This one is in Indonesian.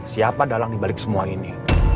siapa dalang dibalik semua ini